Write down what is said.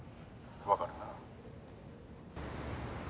わかるな？